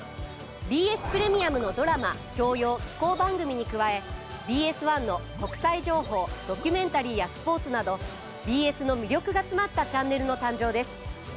ＢＳプレミアムのドラマ教養紀行番組に加えＢＳ１の国際情報ドキュメンタリーやスポーツなどＢＳの魅力が詰まったチャンネルの誕生です。